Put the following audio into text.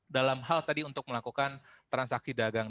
dalam hal tadi untuk melakukan transaksi dagang